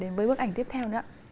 đến với bức ảnh tiếp theo nữa ạ